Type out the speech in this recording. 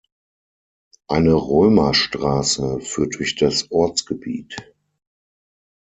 Eine Römerstraße führte durch das Ortsgebiet.